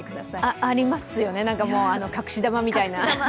ありますよね、隠し球みたいな。